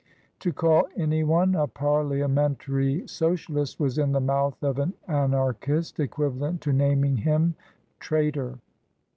To call anyone a " parliamentary Socialist" was in the mouth of an Anarchist equivalent to naming him " trai tor."